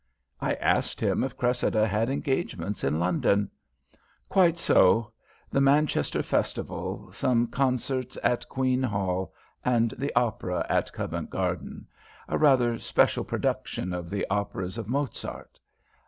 I asked him if Cressida had engagements in London. "Quite so; the Manchester Festival, some concerts at Queen's Hall, and the Opera at Covent Garden; a rather special production of the operas of Mozart.